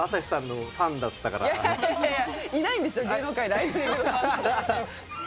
僕、いやいや、いないんですよ、芸能界でアイドリング！！！のファンって。